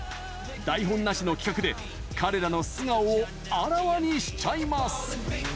台本なしの企画で彼らの素顔をあらわにしちゃいます。